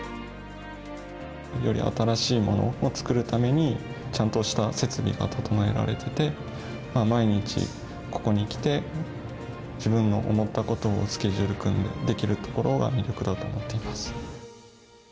より新しいものを作るためにちゃんとした設備が整えられてて毎日ここに来て自分の思ったことをスケジュール組んでできるところが魅力だと思っています。